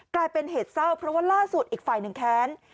กลายเป็นเหตุเศร้าเพราะว่าล่าสุดอีกฝ่ายหนึ่งแค้น